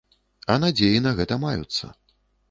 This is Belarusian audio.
А надзеі на гэта маюцца.